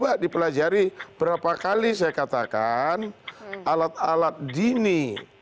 coba dipelajari berapa kali saya katakan alat alat dini